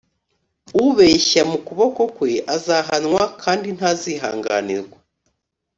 ubeshya mu kuboko kwe azahanwa kandi ntazihanganirwa